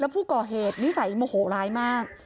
ผู้ก่อเหตุนิสัยโมโหร้ายมาก